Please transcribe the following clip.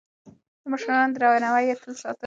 د مشرانو درناوی يې تل ساته.